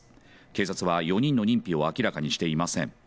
警察は４人の認否を明らかにしていません